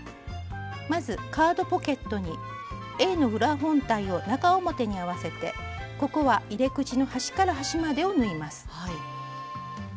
まずカードポケットにＡの裏本体を中表に合わせてここは入れ口の端から端までを縫います。